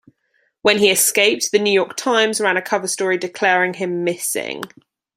When he escaped, "The New York Times" ran a cover story declaring him missing.